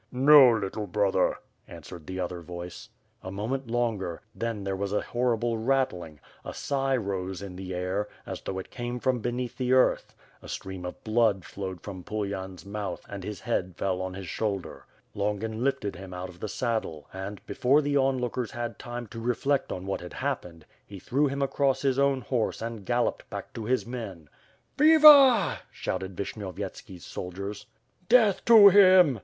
'* "No, little brother,* 'answered the other voice. A moment longer, then there was a horrible rattling, a sigh rose in the air, as though it came from beneath the earth; a stream of blood flowed from Pulyan's mouth and his head fell on his shoulder. Longin lifted him out of the saddle and, before the onlookers had time to reflect on what THE FIGHT BEGAN ALONG THE WHOLE LINE. W^»//i Fire and &ivord. WITH FIRE AND SWORD. 385 had happened, he threw him across his own horse and gal loped back to his men. "Viva!" shouted Vishnyovyetski's soldiers. "Death to him!"